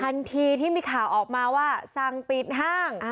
ทันทีที่มีข่าวออกมาว่าสั่งปิดห้าง